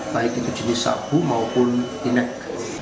baik itu jenis sabu maupun inek